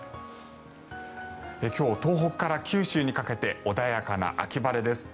今日、東北から九州にかけて穏やかな秋晴れです。